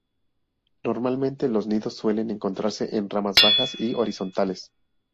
Normalmente los nidos suelen encontrarse en ramas bajas y horizontales.